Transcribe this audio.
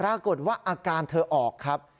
รากฏว่าอาการเธอออกครับ